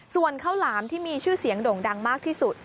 ส่วนข้าวหลามที่มีชื่อเสียงโด่งดังมากที่สุด